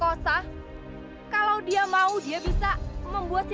pasti dipindah dari mbak